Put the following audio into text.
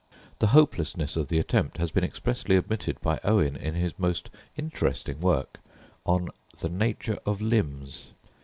The hopelessness of the attempt has been expressly admitted by Owen in his most interesting work on the "Nature of Limbs."